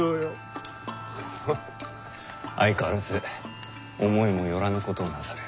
フフ相変わらず思いも寄らぬことをなさる。